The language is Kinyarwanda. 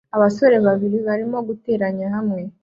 Abasore babiri barimo guteranya hamwe